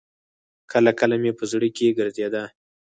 کله کله مې په زړه کښې ګرځېده.